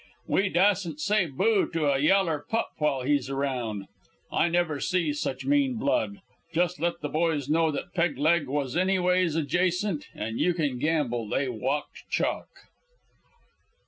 We dasn't say boo to a yaller pup while he's round. I never see such mean blood. Jus' let the boys know that Peg leg was anyways adjacent an' you can gamble they walked chalk.